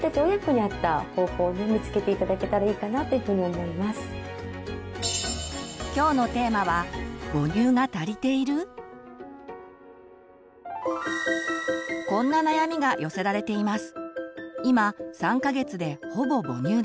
大切なのは今日のテーマはこんな悩みが寄せられています。